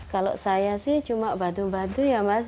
kalau saya sih cuma bantu bantu ya mas